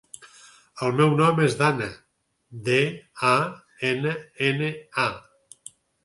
El meu nom és Danna: de, a, ena, ena, a.